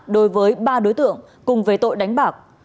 đối với ba đối tượng cùng về tội đánh bạc